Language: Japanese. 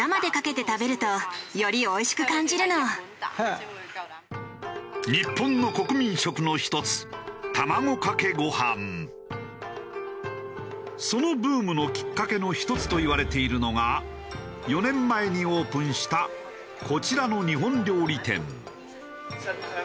今日本の国民食の一つそのブームのきっかけの一つといわれているのが４年前にオープンしたこちらの日本料理店。